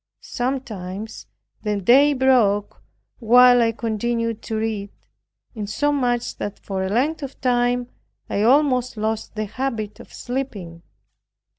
Sometimes the day broke while I continued to read, insomuch, that for a length of time I almost lost the habit of sleeping.